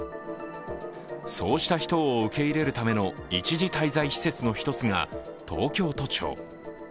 そうした人を受け入れるための一時滞在施設の１つが東京都庁。